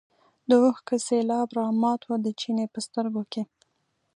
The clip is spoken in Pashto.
د اوښکو سېلاب رامات و د چیني په سترګو کې.